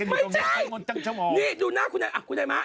ไม่ใช่นี่ดูหน้าคุณนายมา